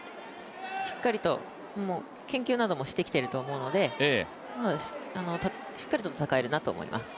しっかりと、研究などもしてきていると思うのでしっかりと戦えるなと思います。